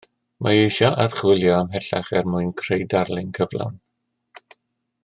Mae eisiau archwilio ym mhellach er mwyn creu darlun cyflawn